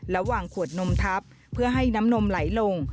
วางขวดนมทับเพื่อให้น้ำนมไหลลง